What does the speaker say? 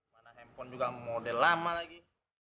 mana handphone juga model lama lagi